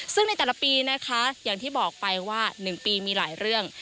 ซึ่งในแต่ละปีนะคะอย่างที่บอกไปว่า๑ปีมีหลายเรื่อง